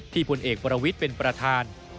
พลเอกประวิทย์เป็นประธาน